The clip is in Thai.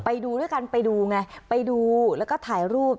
ไปดูด้วยกันไปดูไงไปดูแล้วก็ถ่ายรูป